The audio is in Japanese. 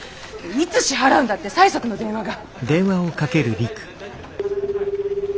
いつ支払うんだって催促の電話が。